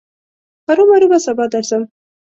هرو مرو به سبا درځم.